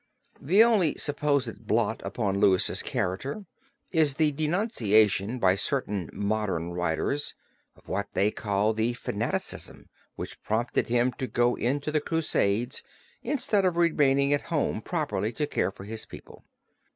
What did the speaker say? The only supposed blot upon Louis' character is the denunciation by certain modern writers of what they call the fanaticism, which prompted him to go on the Crusades instead of remaining at home properly to care for his people.